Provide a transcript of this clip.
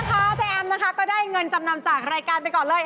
คราวนี้แจ้แอมได้เงินจำนำจากรายการไปก่อนเลย